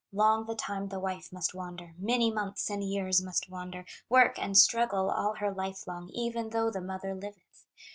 Long the time the wife must wander, Many months and years must wander, Work, and struggle, all her life long, Even though the mother liveth.